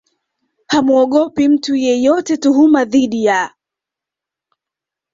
hamuogopi mtu yeyote Tuhuma dhidi ya